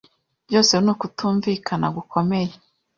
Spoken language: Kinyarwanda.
Byose ni ukutumvikana gukomeye.